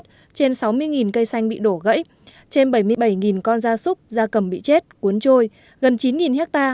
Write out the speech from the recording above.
trên sáu mươi cây xanh bị đổ gãy trên bảy mươi bảy con da súc da cầm bị chết cuốn trôi gần chín ha